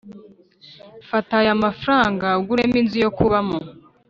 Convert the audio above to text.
fata ayamafaranga uguremo inzu yokubamo